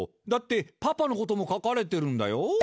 だってパパのことも書かれてるんだよ。